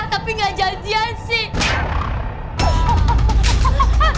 iya tapi nggak jelas dia asik